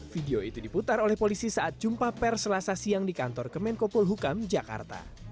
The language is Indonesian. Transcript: video itu diputar oleh polisi saat jumpa perselasasi yang di kantor kemenkopol hukam jakarta